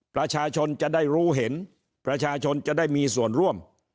ประชาชนจะได้รู้เห็นประชาชนจะได้มีส่วนร่วม